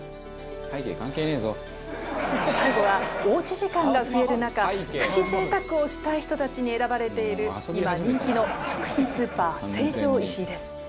最後はおうち時間が増える中プチ贅沢をしたい人たちに選ばれている今人気の食品スーパー成城石井です。